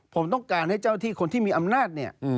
ผมต้องการให้เจ้าที่คนที่มีอำนาจเนี่ย